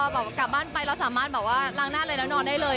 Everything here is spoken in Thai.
พอกลับบ้านไปเราสามารถล้างหน้าเลยแล้วนอนได้เลย